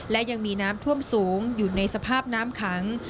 และยังมีน้ำท่วมสูงอยู่ในสภาพน้ำขัง